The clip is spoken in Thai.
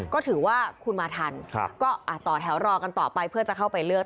ก็ถือว่าคุณมาทันก็ต่อแถวรอกันต่อไปเพื่อจะเข้าไปเลือก